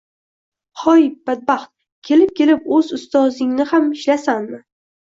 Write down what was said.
Hoy, badbaxt! Kelib-kelib o’z ustozingniham shilasanmi?